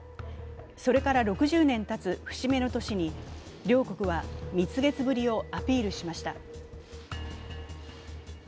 それから６０年たつ節目の年に両国は蜜月ぶりをアピールしました。